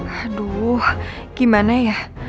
aduh gimana ya